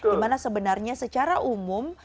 dimana sebenarnya secara umum